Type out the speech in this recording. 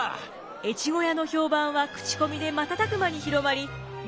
越後屋の評判は口コミで瞬く間に広まり店は大繁盛！